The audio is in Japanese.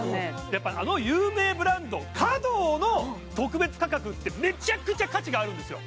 やっぱあの有名ブランドｃａｄｏの特別価格ってめちゃくちゃ価値があるんですよ